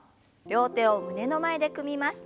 両手を胸の前で組みます。